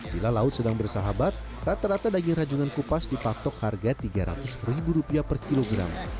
bila laut sedang bersahabat rata rata daging rajungan kupas dipatok harga rp tiga ratus ribu rupiah per kilogram